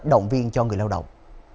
động viên cho người lao động